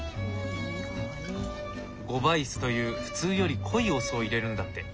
五倍酢という普通より濃いお酢を入れるんだって。